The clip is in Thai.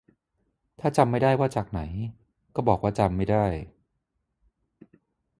ถ้าจำไม่ได้ว่าจากไหน ก็บอกว่าจำไม่ได้